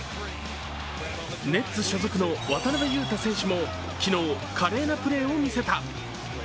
ネッツ所属の渡邊雄太選手も昨日、華麗なプレーを見せた。